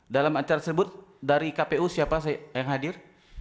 dalam acara tersebut dari kpu siapa yang hadir